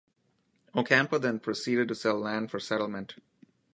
Ocampo then proceeded to sell land for settlement.